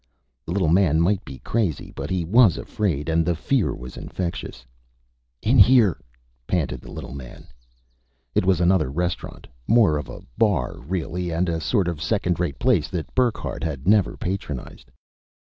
The little man might be crazy, but he was afraid. And the fear was infectious. "In here!" panted the little man. It was another restaurant more of a bar, really, and a sort of second rate place that Burckhardt had never patronized.